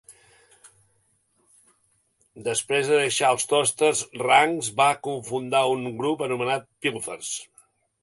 Després de deixar els Toasters, Ranx va cofundar una grup anomenat Pilfers.